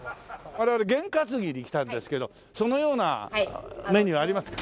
我々験担ぎに来たんですけどそのようなメニューありますか？